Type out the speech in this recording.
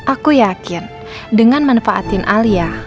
aku yakin dengan manfaatin alia